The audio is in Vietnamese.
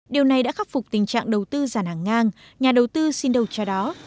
điều này đã khắc phục tình trạng đầu tư giàn hàng ngang nhà đầu tư xin đầu cho đó